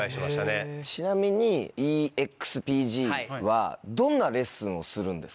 ちなみにＥＸＰＧはどんなレッスンをするんですか？